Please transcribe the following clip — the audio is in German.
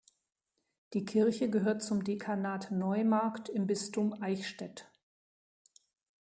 Die Kirche gehört zum Dekanat Neumarkt im Bistum Eichstätt.